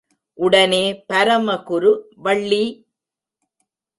உடனே பரமகுரு, வள்ளி!